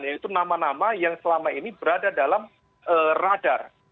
yaitu nama nama yang selama ini berada dalam radar